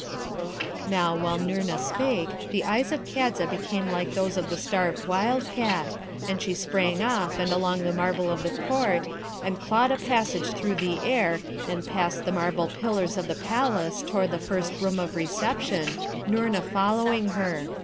Now, while Noorna spake, the eyes of Kadza became like those of the starved wild cat, and she sprang off and along the marble of the Court, and clawed a passage through the air and past the marble pillars of the palace toward the first room of reception, Noorna following her.